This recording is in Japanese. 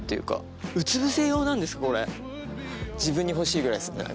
自分に欲しいぐらいですね。